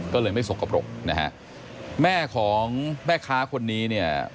ก็เลยไม่สกปรกนะฮะแม่ของแม่ค้าคนนี้เนี่ย